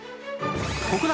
国内